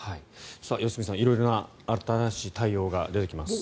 良純さん色々な新しい対応が出てきます。